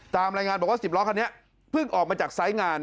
ตามรายงานบอกว่า๑๐ล้อคันนี้เพิ่งออกมาจากไซส์งาน